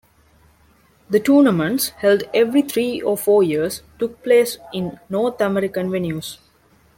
The tournaments, held every three or four years, took place in North American venues.